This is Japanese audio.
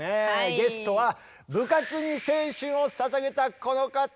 ゲストは部活に青春をささげたこの方！